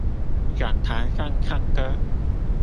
講台上唱歌